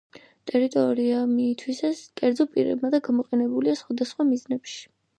ტერიტორია მიითვისეს კერძო პირებმა და გამოიყენებოდა სხვადასხვა მიზნებში.